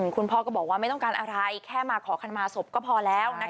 คุณพ่อก็บอกว่าไม่ต้องการอะไรแค่มาขอขมาศพก็พอแล้ว